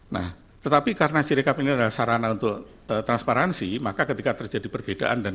nah tetapi karena sirikap ini adalah sarana untuk transparansi maka ketika terjadi perbedaan dan